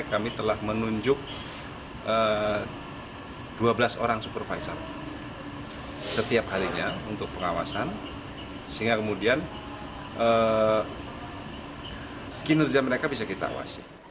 kami telah menunjuk dua belas orang supervisor setiap harinya untuk pengawasan sehingga kemudian kinerja mereka bisa kita awasi